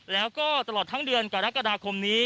แล้วก็ตลอดทั้งเดือนกรกฎาคมนี้